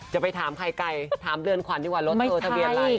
จะไปถามใครไกลถามเรือนขวัญดีกว่ารถโทรทะเบียนอะไร